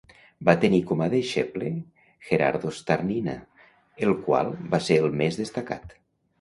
Va tenir com a deixeble Gherardo Starnina, el qual va ser el més destacat.